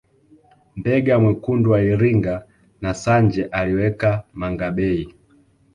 Mbega mwekundu wa Iringa na Sanje aliweka mangabey